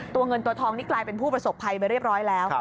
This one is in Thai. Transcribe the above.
เงินตัวทองนี่กลายเป็นผู้ประสบภัยไปเรียบร้อยแล้ว